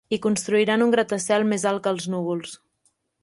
Hi construiran un gratacel més alt que els núvols.